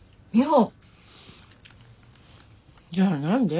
じゃあ何で？